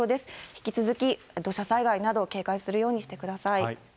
引き続き土砂災害など、警戒するようにしてください。